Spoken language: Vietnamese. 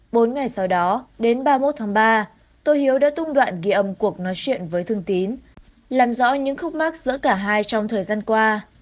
bốn ngày sau đó đến ba mươi một tháng ba tôi hiếu đã tung đoạn ghi âm cuộc nói chuyện với thường tín làm rõ những khúc mắt giữa cả hai trong thời gian qua